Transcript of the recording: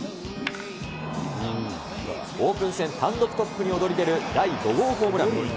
オープン戦単独トップに躍り出る第５号ホームラン。